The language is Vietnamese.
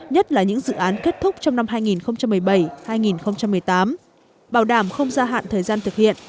nhất là những dự án kết thúc trong năm hai nghìn một mươi bảy hai nghìn một mươi tám bảo đảm không gia hạn thời gian thực hiện